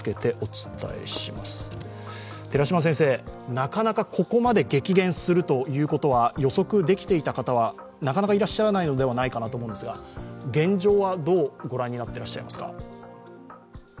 なかなかここまで激減するということは予測できていた方はいらっしゃらないんじゃないかと思うんですが現状はどう御覧になっていらっしゃいますか？